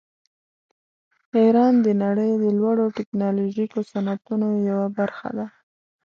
ایران د نړۍ د لوړو ټیکنالوژیکو صنعتونو یوه برخه ده.